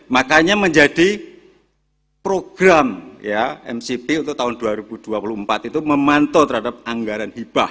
makanya menjadi program ya mcp untuk tahun dua ribu dua puluh empat itu memantau terhadap anggaran hibah